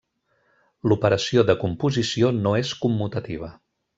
L'operació de composició no és commutativa.